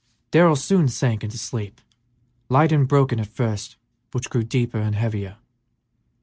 Darrell soon sank into a sleep, light and broken at first, but which grew deeper and heavier.